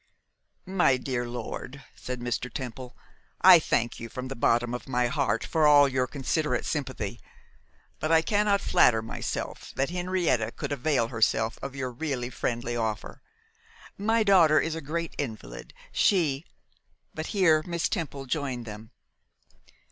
'My dear lord,' said Mr. Temple, 'I thank you from the bottom of my heart for all your considerate sympathy; but I cannot flatter myself that Henrietta could avail herself of your really friendly offer. My daughter is a great invalid. She ' But here Miss Temple joined them.